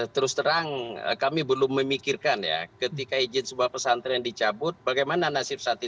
terus terang kami belum memikirkan ya ketika izin sebuah pesantren dicabut bagaimana nasib santri